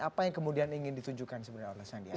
apa yang kemudian ingin ditunjukkan sebenarnya oleh sandiaga